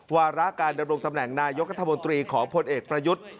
วาระการดำรงตำแหน่งนายกัธมนตรีของพลเอกประยุทธ์